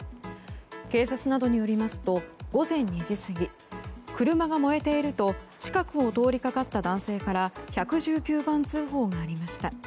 警察などによりますと午前２時過ぎ車が燃えていると近くを通りかかった男性から１１９番通報がありました。